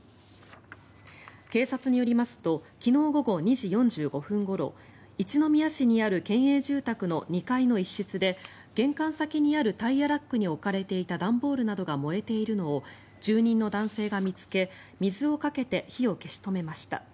警察によりますと昨日午後２時４５分ごろ一宮市にある県営住宅の２階の一室で玄関先にあるタイヤラックに置かれていた段ボールなどが燃えているのを住人の男性が見つけ水をかけて火を消しとめました。